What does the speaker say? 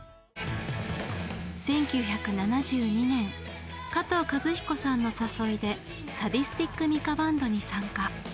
１９７２年加藤和彦さんの誘いでサディスティック・ミカ・バンドに参加。